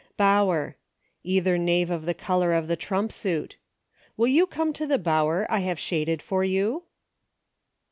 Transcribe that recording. Bower. Either Knave of the color of the trump suit. " Will you come to the bower I have shaded for you